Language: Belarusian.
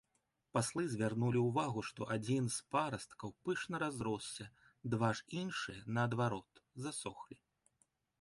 Паслы звярнулі ўвагу, што адзін з парасткаў пышна разросся, два ж іншыя, наадварот, засохлі.